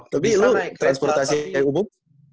tapi lu transportasi kayak umum